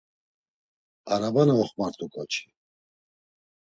Araba na oxmart̆u ǩoçik.